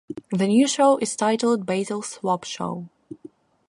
The new show is titled "Basil's Swap Shop".